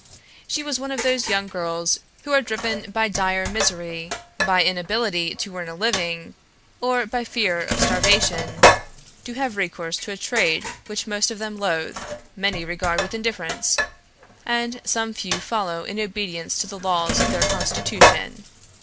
She was one of those young girls who are driven by dire misery, by inability to earn a living, or by fear of starvation, to have recourse to a trade which most of them loathe, many regard with indifference, and some few follow in obedience to the laws of their constitution.